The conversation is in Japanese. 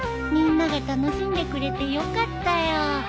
みんなが楽しんでくれてよかったよ。